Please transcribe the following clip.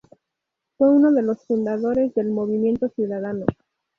Fue uno de los fundadores del Movimiento Ciudadano.